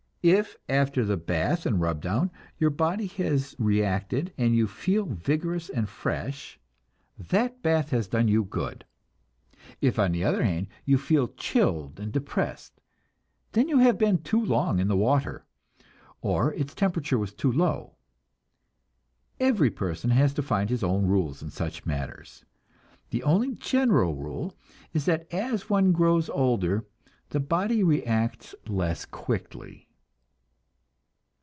If, after the bath and rub down, your body has reacted and you feel vigorous and fresh, that bath has done you good. If, on the other hand, you feel chilled and depressed, then you have been too long in the water, or its temperature was too low. Every person has to find his own rules in such matters. The only general rule is that as one grows older the body reacts less quickly.